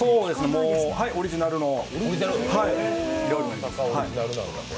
オリジナルの料理になります。